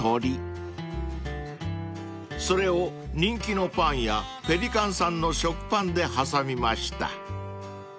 ［それを人気のパン屋ペリカンさんの食パンで挟みました］